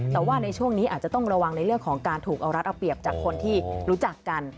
แต่ว่าในช่วงนี้อาจจะต้องระวังในเรื่องของการถูกเอารัดเอาเปรียบจากคนที่รู้จักกัน